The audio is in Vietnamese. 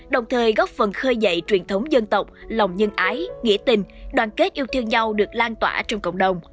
đồng thời góp phần khơi dậy truyền thống dân tộc lòng nhân ái nghĩa tình đoàn kết yêu thương nhau được lan tỏa trong cộng đồng